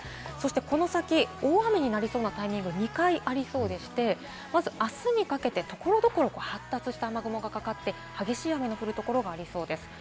この先、大雨になりそうなタイミングが２回ありそうでして、あすにかけて所々、発達した雨雲がかかって、激しい雨の降るところがありそうです。